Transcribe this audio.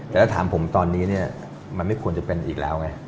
แต่ถ้าถามผมตอนนี้เนี่ยมันไม่ควรจะเป็นอีกแล้วไง